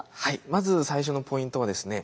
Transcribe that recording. まず最初のポイントはですね